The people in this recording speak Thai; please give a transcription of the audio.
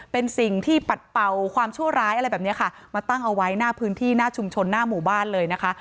เป็นสิ่งที่ปัดเป่าความชั่วร้ายอะไรแบบนี้ค่ะมาตั้งเอาไว้หน้าพื้นที่หน้าชุมชนหน้าหมู่บ้านเลยนะคะ